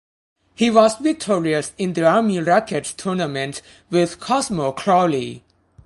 He was victorious in the Army rackets tournament with Cosmo Crawley.